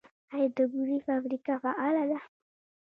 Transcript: آیا د بورې فابریکه فعاله ده؟